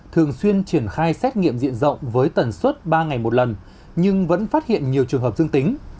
thường xuyên triển khai xét nghiệm diện rộng với tần suất ba ngày một lần nhưng vẫn phát hiện nhiều trường hợp dương tính